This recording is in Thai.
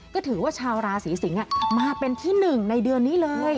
ก็ถือว่าชาวราศีสิงศ์มาเป็นที่หนึ่งในเดือนนี้เลย